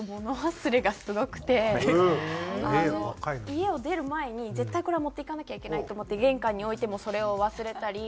家を出る前に絶対これは持っていかなきゃいけないと思って玄関に置いてもそれを忘れたり。